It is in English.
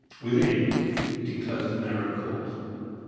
Within, it enclosed a narrow court.